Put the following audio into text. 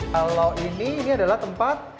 kalau ini ini adalah tempat